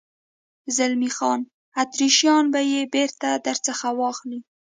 زلمی خان: اتریشیان به یې بېرته در څخه واخلي.